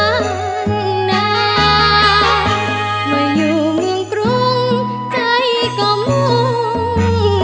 ด้วยความหังอยากจะเป็นดาวไม่อยู่เมืองกรุงใจก็มุ่ง